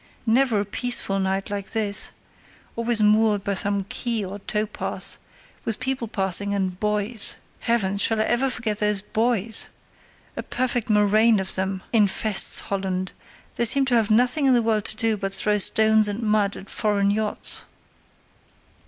Never a peaceful night like this—always moored by some quay or tow path, with people passing and boys. Heavens! shall I ever forget those boys! A perfect murrain of them infests Holland; they seem to have nothing in the world to do but throw stones and mud at foreign yachts."